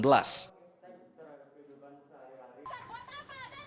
mereka harus berjalan